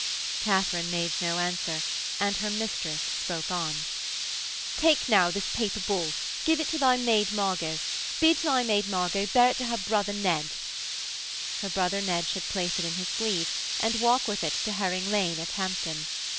Katharine made no answer and her mistress spoke on. 'Take now this paper ball, give it to thy maid Margot, bid thy maid Margot bear it to her brother Ned.' Her brother Ned should place it in his sleeve and walk with it to Herring Lane at Hampton.